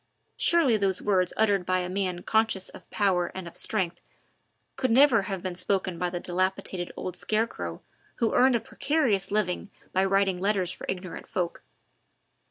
Surely those words uttered by a man conscious of power and of strength could never have been spoken by the dilapidated old scarecrow who earned a precarious living by writing letters for ignorant folk.